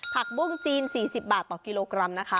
ผักบุ้งจีน๔๐บาทต่อกิโลกรัม